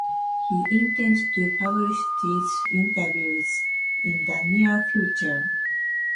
He intends to publish these interviews in the near future.